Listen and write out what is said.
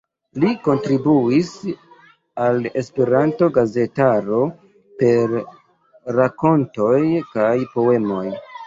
Li kontribuis al Esperanto-gazetaro per rakontoj kaj poemoj.